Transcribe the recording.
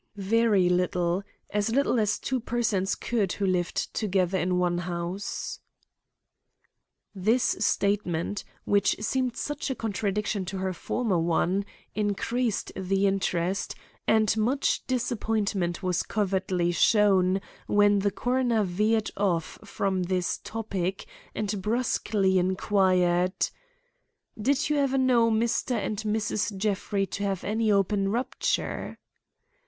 "Very little; as little as two persons could who lived together in one house." This statement, which seemed such a contradiction to her former one, increased the interest; and much disappointment was covertly shown when the coroner veered off from this topic and brusquely inquired "Did you ever know Mr. and Mrs. Jeffrey to have any open rupture?"